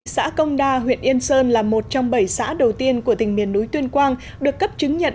xã công đa huyện yên sơn là một trong bảy xã đầu tiên của tỉnh miền núi tuyên quang được cấp chứng nhận